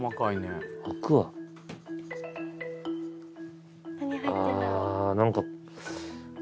あー何か。